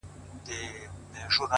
o ستا په سترگو کي سندري پيدا کيږي؛